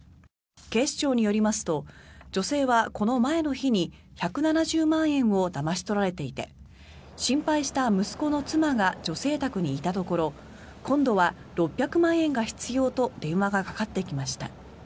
警視庁によりますと女性はこの前の日に１７０万円をだまし取られていて心配した息子の妻が女性宅にいたところ今度は６００万円が必要と電話がかかってきました。